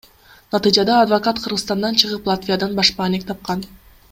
Натыйжада адвокат Кыргызстандан чыгып Латвиядан башпаанек тапкан.